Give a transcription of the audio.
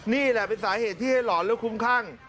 นี่แหละเป็นสาเหตุที่ให้หลอนและคุ้มคั่ง